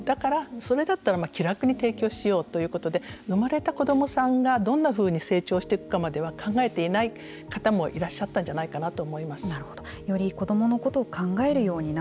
だから、それだったら気楽に提供しようということで生まれた子どもさんがどんなふうに成長していくまでは考えていない方もいらっしゃったんじゃないかなと思います。